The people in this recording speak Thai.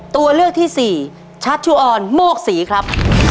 ตัวเลือกที่สี่ชัชชุออนโมกศรีครับ